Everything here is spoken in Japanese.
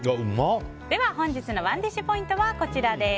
本日のＯｎｅＤｉｓｈポイントはこちらです。